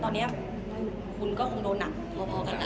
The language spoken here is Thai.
ตอนนี้คุณก็คงโดนหนักพอกันนะ